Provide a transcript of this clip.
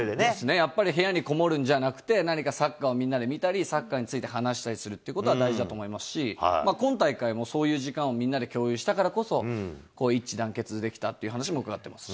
やっぱり部屋に籠もるんじゃなくて、何かサッカーをみんなで見たり、サッカーについて話したりするということは大事だと思いますし、今大会もそういう時間を、みんなで共有したからこそ、一致団結できたっていう話も伺ってます。